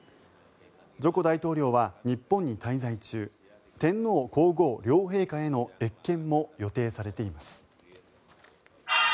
ジョコ大統領は日本に滞在中天皇・皇后両陛下への謁見も予定されています。